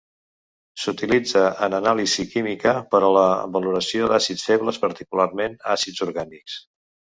S'utilitza en anàlisi química per a la valoració d'àcids febles, particularment àcids orgànics.